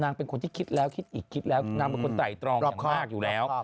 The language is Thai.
เป็นคนที่คิดแล้วคิดอีกคิดแล้วนางเป็นคนไต่ตรองมากอยู่แล้ว